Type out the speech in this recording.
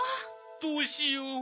どうしよう。